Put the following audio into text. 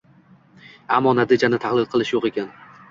Ammo natijani tahlil qilish yo‘q ekan.